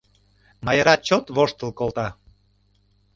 Майра чот воштыл колта.